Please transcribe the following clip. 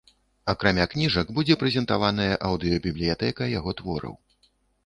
Акрамя кніжак, будзе прэзентаваная аўдыёбібліятэка яго твораў.